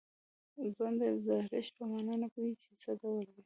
ځوان د زړښت په معنا نه پوهېږي چې څه ډول ده.